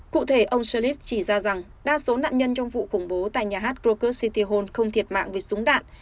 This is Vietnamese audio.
cụ thể ông peselis chỉ ra rằng đa số nạn nhân trong vụ khủng bố tại nhà hát groker city hall không thiệt mạng với súng đạn